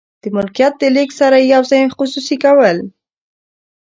د ملکیت د لیږد سره یو ځای خصوصي کول.